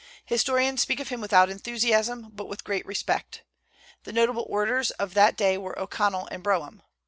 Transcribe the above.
Historians speak of him without enthusiasm, but with great respect. The notable orators of that day were O'Connell and Brougham.